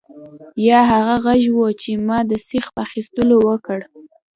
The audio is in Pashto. یا هغه غږ و چې ما د سیخ په اخیستلو وکړ